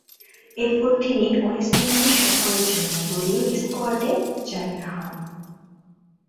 এরপর তিনি West Indies সফরের জন্য দলীয় স্কোয়াডের জায়গা হন।